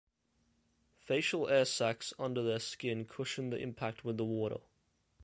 Facial air sacs under their skin cushion the impact with the water.